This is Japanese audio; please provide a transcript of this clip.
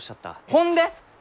ほんで！？